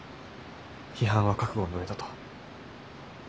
批判は覚悟の上だと。